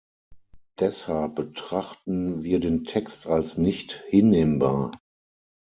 Deshalb betrachten wir den Text als nicht hinnehmbar.